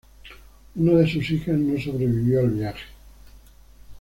Una de sus hijas no sobrevivió al viaje.